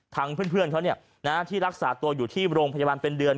เพื่อนเขาที่รักษาตัวอยู่ที่โรงพยาบาลเป็นเดือน